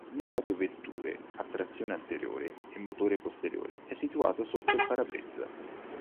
Nelle autovetture a trazione anteriore e motore posteriore è situato sotto il parabrezza.